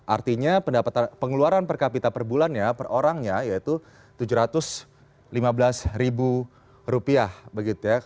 artinya pengeluaran per kapita per bulannya per orangnya yaitu tujuh ratus lima belas ribu rupiah begitu ya